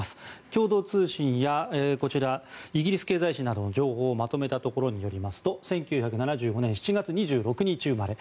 共同通信やイギリス経済紙などの情報をまとめたところによりますと１９７５年７月２６日生まれ。